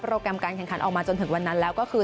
แกรมการแข่งขันออกมาจนถึงวันนั้นแล้วก็คือ